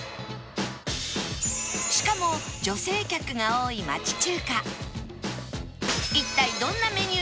しかも女性客が多い町中華